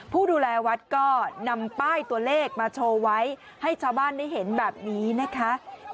ผู้ดูแลวัดก็นำป้ายตัวเลขมาโชว์ไว้ให้ชาวบ้านได้เห็นแบบนี้นะคะ